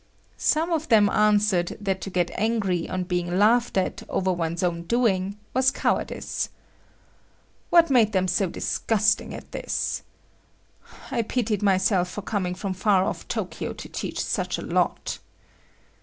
Some of them answered that to get angry on being laughed at over one's own doing, was cowardice. What made them so disgusting as this? I pitied myself for coming from far off Tokyo to teach such a lot.